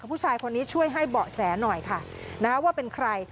ผู้ชายคนนี้ช่วยให้เบาะแสหน่อยค่ะนะว่าเป็นใคร